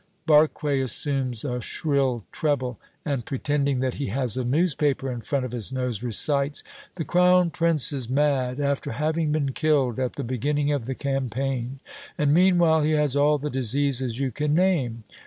Barque assumes a shrill treble, and pretending that he has a newspaper in front of his nose, recites "'The Crown Prince is mad, after having been killed at the beginning of the campaign, and meanwhile he has all the diseases you can name.